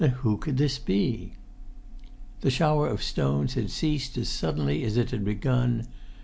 Then who could this be? The shower of stones had ceased as suddenly as it had begun.